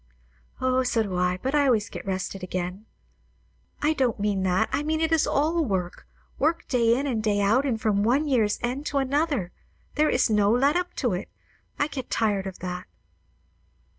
"O, so do I; but I always get rested again." "I don't mean that. I mean it is all work, work; day in and day out, and from one year's end to another. There is no let up to it. I get tired of that."